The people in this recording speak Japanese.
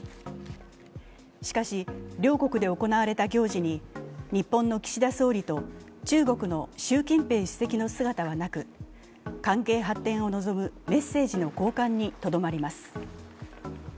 しかし、両国で行われた行事に日本の岸田総理と中国の習近平主席の姿はなく関係発展を望むメッセージの交換にとどまります。